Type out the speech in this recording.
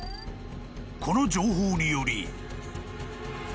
［この情報により］